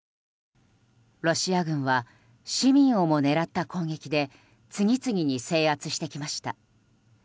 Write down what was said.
ロシア軍は市民をも狙った攻撃で次々に制圧してきました。